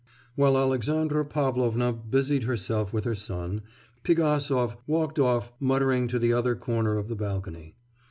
While Alexandra Pavlovna busied herself with her son, Pigasov walked off muttering to the other corner of the balcony.